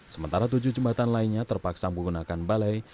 sementara tujuh jembatan lainnya terpaksa menggunakan balai